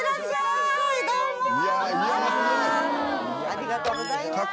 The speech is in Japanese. ありがとうございます。